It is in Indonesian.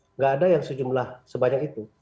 nggak ada yang sejumlah sebanyak itu